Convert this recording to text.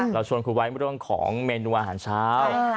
เราชวนคุยไว้เรื่องของเมนูอาหารเช้า